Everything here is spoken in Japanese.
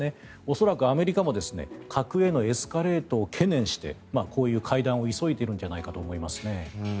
恐らくアメリカも核へのエスカレートを懸念してこういう会談を急いでいるんじゃないかと思いますね。